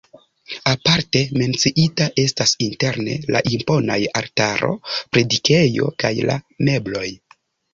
Aparte menciita estas interne la imponaj altaro, predikejo kaj la mebloj.